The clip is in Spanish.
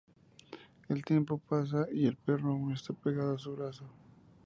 El tiempo pasa, y el perro aún está pegado a su brazo.